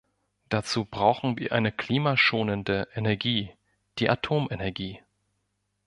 Dazu brauchen wir eine klimaschonende Energie, die Atomenergie.